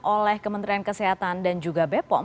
oleh kementerian kesehatan dan juga bepom